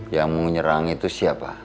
yang mau nyerang itu siapa